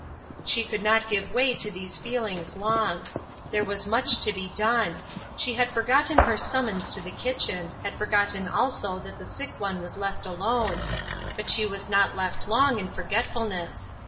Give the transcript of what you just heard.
She could not give way to these feelings long. There was much to be clone ; she had forgotten her summons to the kitchen ; had forgotten also 236 WAITING. that the sick one was left alone ; but she was not left long in forgetfulness.